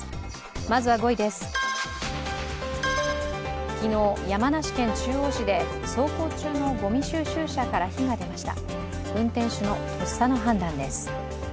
まずは５位です、昨日山梨県中央市で走行中のごみ収集車から火が出ました、運転手のとっさの判断です。